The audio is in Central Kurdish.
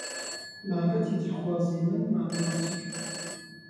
بابەتی دڵخوازی من ماتماتیکە.